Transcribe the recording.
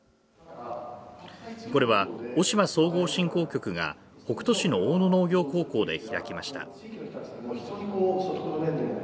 これは渡島総合振興局が北斗市の大野農業高校で開きました。